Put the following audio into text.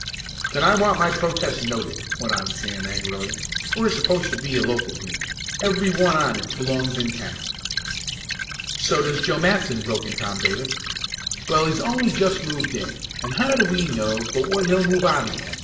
"Then I want my protest noted!" went on Sam angrily. "We're supposed to be a local team every one on it belongs in town." "So does Joe Matson!" broke in Tom Davis. "Well, he's only just moved in, and how do we know but what he'll move out again?"